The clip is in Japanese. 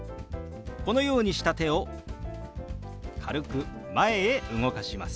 このようにした手を軽く前へ動かします。